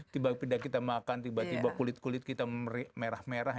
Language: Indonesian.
tiba tiba kita makan tiba tiba kulit kulit kita merah merah